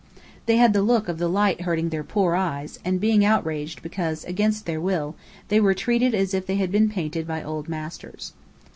They had the look of the light hurting their poor eyes, and being outraged because, against their will, they were treated as if they had been paintings by old masters.